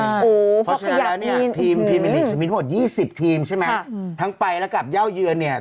เพราะฉะนั้นแล้วเนี่ยทีมพรีมิลิกจะมีทั้งหมด๒๐ทีมใช่ไหมทั้งไปและกับเย่าเยือนเนี่ย